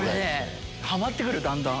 ハマってくるだんだん！